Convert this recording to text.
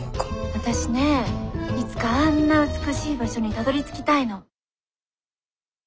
私ねいつかあんな美しい場所にたどりつきたいの。